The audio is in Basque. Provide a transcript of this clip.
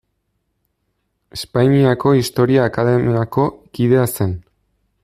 Espainiako Historia Akademiako kidea zen.